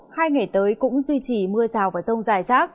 hai ngày tới cũng duy trì mưa rào và rông dài rác